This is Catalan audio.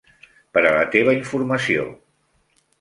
Per a la teva informació.